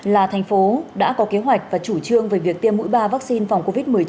là thành phố đã có kế hoạch và chủ trương về việc tiêm mũi ba vaccine phòng covid một mươi chín